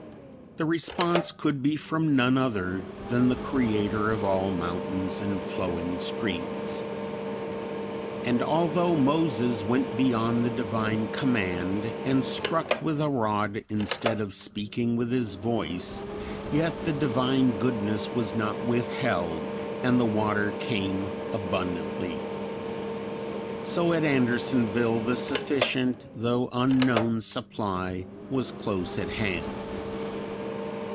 The response could be from none other than the Creator of all mountains and flowing streams. And although Moses went beyond the Divine command, and struck with a rod instead of speaking with his voice, yet the Divine goodness was not withheld, "and the water came abundantly." So at Andersonville the sufficient, though unknown, supply was close at hand.